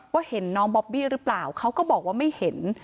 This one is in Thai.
เห็นน้องบอบบี้หรือเปล่าเขาก็บอกว่าไม่เห็น